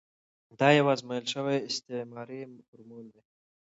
دا یو ازمویل شوی استعماري فورمول دی.